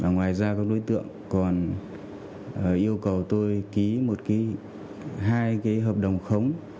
ngoài ra các đối tượng còn yêu cầu tôi ký một hai hợp đồng khống